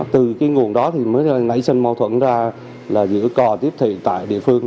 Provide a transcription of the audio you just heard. từ cái nguồn đó thì mới nảy sinh mâu thuẫn ra là giữa cò tiếp thị tại địa phương